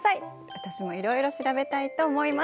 私もいろいろ調べたいと思います。